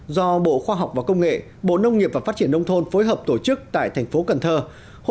do bộ khoa học và công nghệ bộ nông nghiệp và phát triển nông thôn phối hợp tổ chức tại thành phố cần thơ